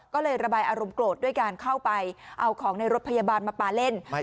ก็เลยระบายอารมณ์โกรธด้วยการเข้าไปเอาของในรถพยาบาลมาปลาเล่น